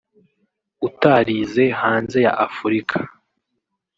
utarize hanze ya Afurika